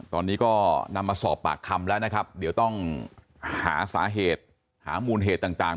ตอนนี้ก็นำมาสอบปากคำแล้วนะครับเดี๋ยวต้องหาสาเหตุหามูลเหตุต่าง